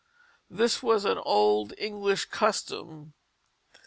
This was an old English custom.